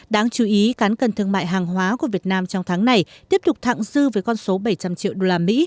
đáng chú ý cán cân thương mại hàng hóa của việt nam trong tháng này tiếp tục thẳng dư với con số bảy trăm linh triệu usd